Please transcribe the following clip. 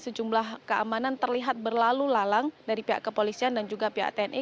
sejumlah keamanan terlihat berlalu lalang dari pihak kepolisian dan juga pihak tni